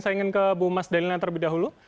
saya ingin ke bu mas daniel terlebih dahulu